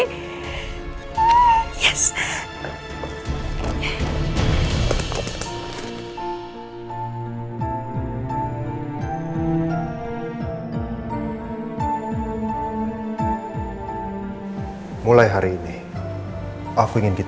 nah kalau bagaimana ibu nanti akan aktifkan perusahaan untuk membud waar